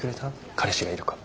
彼氏がいるか。